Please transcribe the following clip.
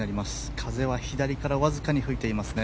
風は左からわずかに吹いています。